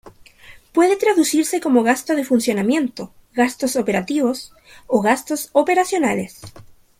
Puede traducirse como gasto de funcionamiento, gastos operativos, o gastos operacionales.